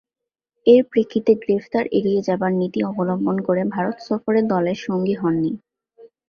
এর প্রেক্ষিতে গ্রেফতার এড়িয়ে যাবার নীতি অবলম্বন করে ভারত সফরে দলের সঙ্গী হননি।